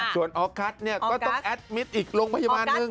ส่วนออกก๊ะสนี่จะต้องอัดมิตรอีกโรงพยาบาลหนึ่ง